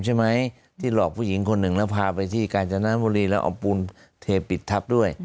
เอาผู้หญิงคนหนึ่งแล้วพาไปที่กาญจน้ำบุรีแล้วเอาปูนเทปิดทับด้วย